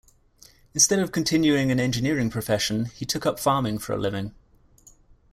Instead of continuing an engineering profession, he took up farming for a living.